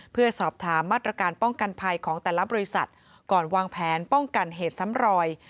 เพื่อสอบถามมาตรการป้องกันภัยของแต่ละบริษัทก่อนวางแผนป้องกันเหตุซ้ำรอย